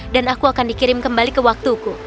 dan aku akan dikirim kembali ke waktuku